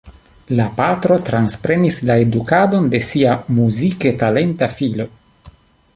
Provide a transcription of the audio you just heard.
La patro transprenis la edukadon de sia muzike talenta filo.